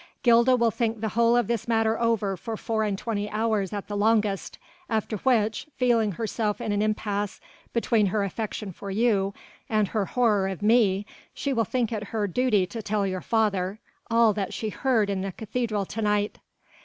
Gilda will think the whole of this matter over for four and twenty hours at the longest, after which, feeling herself in an impasse between her affection for you and her horror of me, she will think it her duty to tell your father all that she heard in the cathedral to night."